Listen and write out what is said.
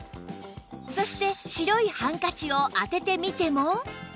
そして白いハンカチを当ててみても